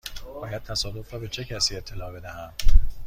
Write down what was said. باید تصادف را به چه کسی اطلاع بدهم؟